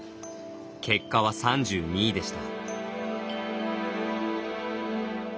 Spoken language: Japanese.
結果は３２位でした。